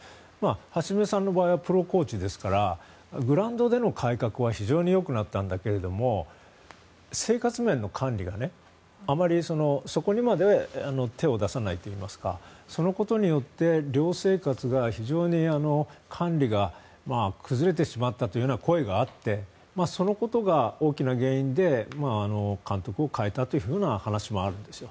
橋詰さんの場合はプロコーチですからグラウンドでの改革は非常によくなったんだけれども生活面の管理があまりそこにまで手を出さないといいますかそのことによって寮生活が非常に管理が崩れてしまったというような声があってそのことが大きな原因で監督を代えたという話もあるんですよ。